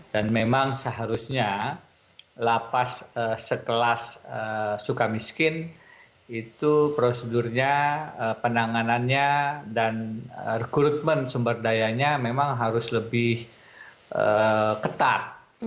dan memang seharusnya lapas sekelas suka miskin itu prosedurnya penanganannya dan rekrutmen sumber dayanya memang harus lebih ketat